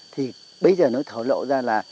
thì bây giờ nó thở lộ ra là